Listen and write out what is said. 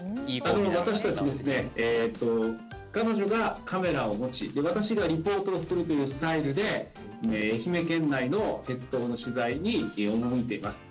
私たちですね、えーと彼女がカメラを持ち私がリポートをするというスタイルで、愛媛県内の鉄道の取材に赴いています。